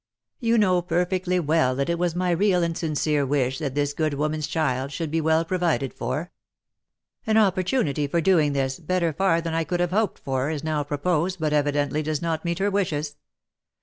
You know perfectly well, that it was my real and sincere wish that this good woman's child should be well provided for. An opportunity for doing this, better far than I could have hoped for, is now proposed but evidently does not meet her wishes.